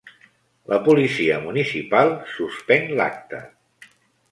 La policia municipal suspèn l’acte.